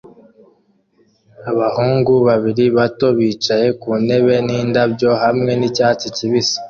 Abahungu babiri bato bicaye ku ntebe n'indabyo hamwe nicyatsi kibisi